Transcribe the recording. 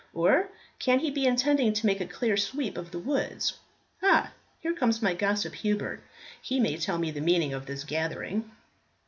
or can he be intending to make a clear sweep of the woods? Ah! here comes my gossip Hubert; he may tell me the meaning of this gathering."